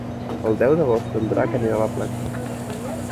El deu d'agost en Drac anirà a la platja.